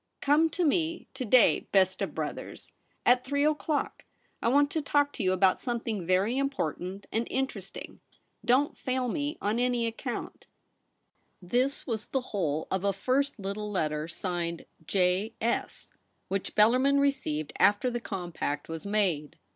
* Come to me to day, best of brothers, at 2o6 THE REBEL ROSE. three o'clock ; I want to talk to you about something very important and interesting ; don't fail me on any account.' This was the whole of a first little letter signed ' J. S.' which Bellarmin received after the compact was made.